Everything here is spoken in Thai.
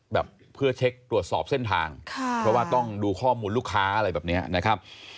แบบเพื่อเช็คตรวจสอบเส้นทางค่ะเพราะว่าต้องดูข้อมูลลูกค้าอะไรแบบนี้นะครับ